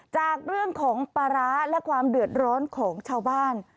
จากเรื่องของปลาร้าและความเดือดร้อนของชาวบ้าน